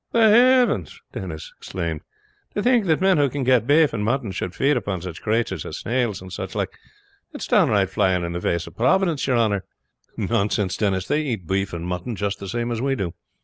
"The hathens!" Denis exclaimed. "To think that men who can get beef and mutton should feed upon such craturs as snails and such like. It's downright flying in the face of Providence, your honor." "Nonsense, Denis; they eat beef and mutton just the same as we do.